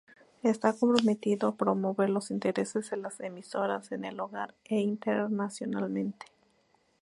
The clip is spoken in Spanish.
Está comprometido a promover los intereses de las emisoras en el hogar e internacionalmente.